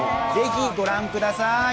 ぜひ御覧ください。